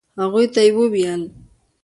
هغوی ته يې وويل.